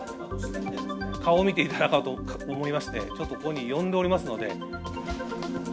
顔を見ていただこうかと思いまして、ちょっとここに呼んでおりますので。